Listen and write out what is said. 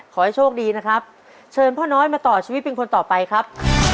ขอให้โชคดีนะครับ